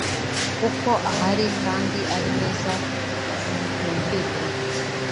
kuko ahari kandi ari meza yumvikana